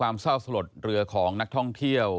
ในอายุแ่งความเศร้าสลดเรือของนักท่องเที่ยว